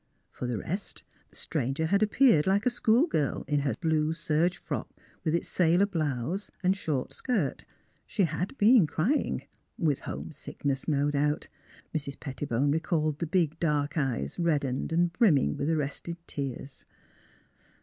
For the rest the stranger had appeared like a school girl in her blue serge frock, with its sailor blouse and short skirt. She had been crying, — with homesickness, no doubt. Mrs. Pettibone recalled the big dark eyes, reddened and brimming with arrested tears.